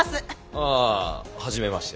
ああはじめまして。